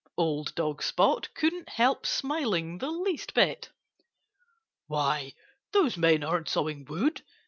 Old dog Spot couldn't help smiling the least bit. "Why, those men aren't sawing wood.